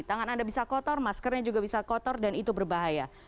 tangan anda bisa kotor maskernya juga bisa kotor dan itu berbahaya